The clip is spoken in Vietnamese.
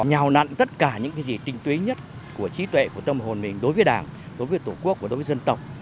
nhào nặn tất cả những cái gì tinh túy nhất của trí tuệ của tâm hồn mình đối với đảng đối với tổ quốc và đối với dân tộc